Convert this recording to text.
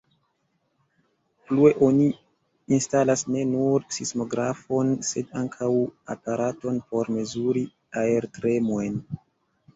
Plue oni instalas ne nur sismografon sed ankaŭ aparaton por mezuri aertremojn.